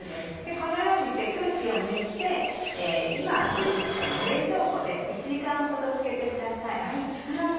このようにして空気を抜いて今暑いですので冷蔵庫で１時間ほどつけてください。